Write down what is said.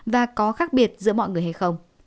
và có khác biệt giữa mọi người hay không